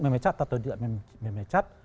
memecat atau tidak memecat